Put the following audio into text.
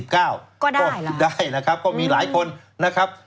ก็ได้ได้นะครับก็มีหลายคนนะครับ